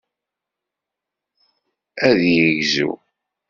Ad yegzu.